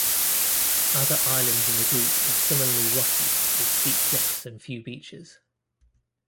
Other islands in the group are similarly rocky with steep cliffs and few beaches.